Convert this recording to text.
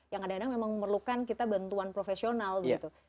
yang ada ada memang memerlukan kita bantuan profesional gitu